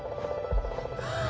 ああ。